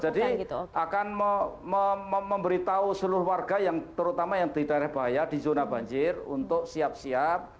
jadi akan memberitahu seluruh warga yang terutama yang di daerah bahaya di zona banjir untuk siap siap